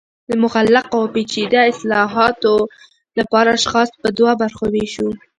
د مغلقو او پیچده اصطالحاتو لپاره اشخاص په دوه برخو ویشو